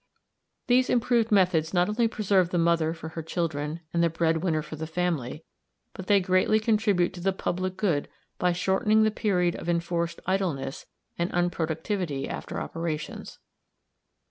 These improved methods not only preserve the mother for her children, and the bread winner for the family, but they greatly contribute to the public good by shortening the period of enforced idleness and unproductivity after operations.